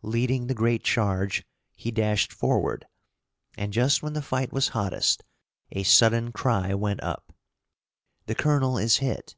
Leading the great charge, he dashed forward, and, just when the fight was hottest, a sudden cry went up: "The colonel is hit!"